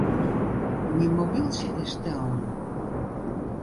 Myn mobyltsje is stellen.